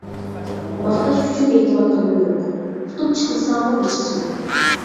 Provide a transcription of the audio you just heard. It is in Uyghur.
ماختاش ئۈچۈن ئېيتىۋاتقىنىم يوق، ئۇتۇپ چىقمىساڭمۇ ھېچقىسى يوق.